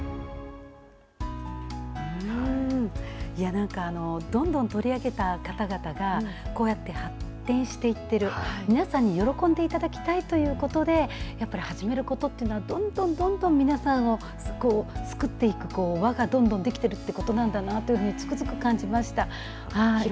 なんか、どんどん取り上げた方々が、こうやって発展していってる、皆さんに喜んでいただきたいということで、やっぱり始めることっていうのは、どんどんどんどん皆さんを救っていく輪がどんどん出来ているということなんだなっていうのを、つくづく感じました。